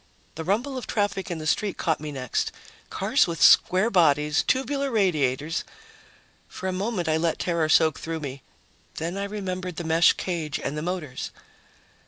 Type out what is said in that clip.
The rumble of traffic in the street caught me next. Cars with square bodies, tubular radiators.... For a moment, I let terror soak through me. Then I remembered the mesh cage and the motors.